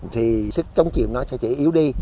thì sức chống chịu nó sẽ yếu đi